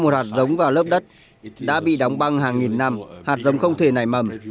một hạt giống vào lớp đất đã bị đóng băng hàng nghìn năm hạt giống không thể nảy mầm